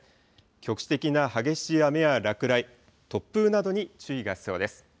局地的な激しい雨や落雷、突風などに注意が必要です。